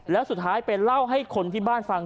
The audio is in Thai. แล้วสุดท้ายไปเล่าให้คนที่บ้านฟัง